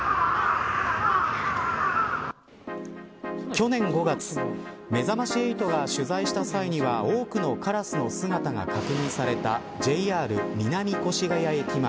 去年５月めざまし８が取材した際には多くのカラスの姿が確認されたＪＲ南越谷駅前。